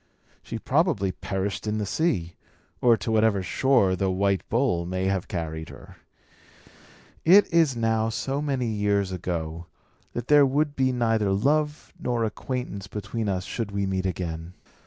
She probably perished in the sea; or, to whatever shore the white bull may have carried her, it is now so many years ago, that there would be neither love nor acquaintance between us should we meet again.